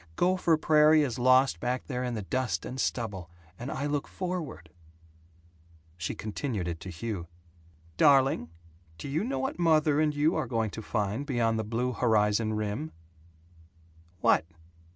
Gopher Prairie is lost back there in the dust and stubble, and I look forward " She continued it to Hugh: "Darling, do you know what mother and you are going to find beyond the blue horizon rim?" "What?"